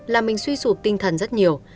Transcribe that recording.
làm mình suy sụp tinh thần rất nhiều